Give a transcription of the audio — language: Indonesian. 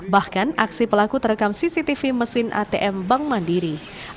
bahkan aksi pelaku terekam cctv mesin atm bank mandiri